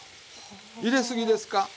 入れすぎですか？